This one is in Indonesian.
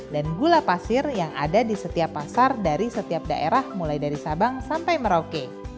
dan gula pasir yang ada di setiap pasar dari setiap daerah mulai dari sabang sampai merauke